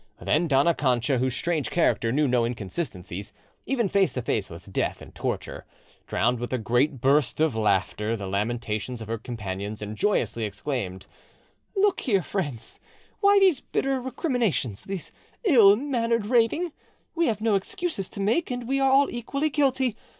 Then Dona Cancha, whose strange character knew no inconsistencies, even face to face with death and torture, drowned with a great burst of laughter the lamentations of her companions, and joyously exclaimed— "Look here, friends, why these bitter recriminations—this ill mannered raving? We have no excuses to make, and we are all equally guilty.